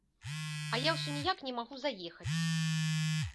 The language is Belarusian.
А я ўсё ніяк не магу заехаць.